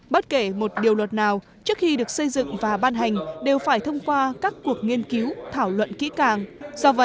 bất kể một điều luật nào trước khi được xây dựng và ban hành đều phải thông qua các cuộc nghiên cứu thảo luận kỹ càng